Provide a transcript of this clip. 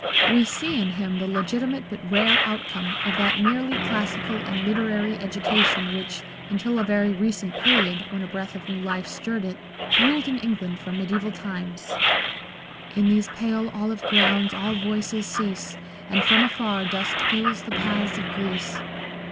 We see in him the legitimate but rare outcome of that merely classical and literary education which, until a very recent period, when a breath of new life stirred it, ruled in England from medieval times. " In those pale olive grounds all voices cease, And from afar dust fills the paths of Greece."